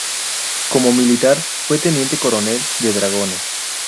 Como militar, fue Teniente Coronel de Dragones.